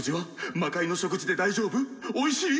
魔界の食事で大丈夫⁉おいしい⁉